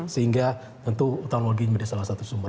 sehingga tentu utang luar negeri menjadi salah satu sumber